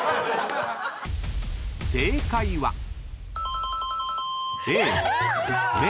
［正解は］